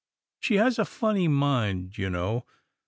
She has a funny mind, you know.